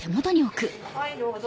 はいどうぞ。